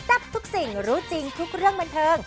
ทับทุกสิ่งรู้จริงทุกเรื่องบันเทิง